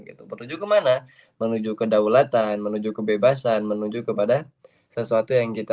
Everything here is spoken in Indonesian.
gitu menuju kemana menuju kedaulatan menuju kebebasan menuju kepada sesuatu yang kita